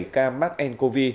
bảy ca mắc ncov